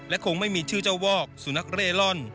คงไม่มีชื่อเจ้าวอกสุนัขเร่ร่อน